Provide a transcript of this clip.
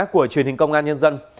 của truyền hình công an nhân dân